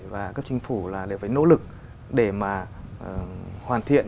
và các chính phủ là đều phải nỗ lực để mà hoàn thiện